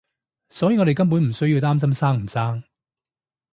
所以我哋根本唔需要擔心生唔生